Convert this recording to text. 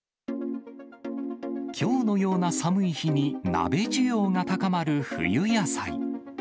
きょうのような寒い日に鍋需要が高まる冬野菜。